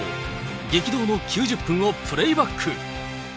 激動の９０分をプレーバック。